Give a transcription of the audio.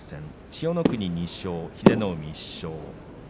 千代の国１勝、英乃海２勝。